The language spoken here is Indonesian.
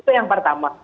itu yang pertama